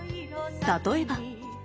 例えば。